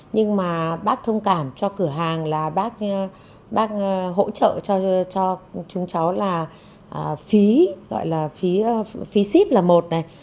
nhưng mà bác thông cảm cho cửa hàng là bác bác hỗ trợ cho chúng cháu là phí gọi là phí ship là một này